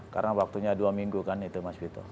karena waktunya dua minggu kan itu mas vito